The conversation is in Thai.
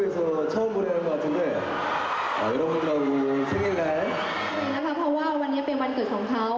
สวัสดีครับแชนส์วินาทีเราเจอเพราะวันนี้เป็นวันเกิดเขา